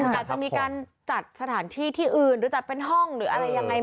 อาจจะมีการจัดสถานที่ที่อื่นหรือจัดเป็นห้องหรืออะไรยังไง